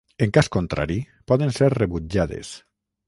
En cas contrari poden ser rebutjades.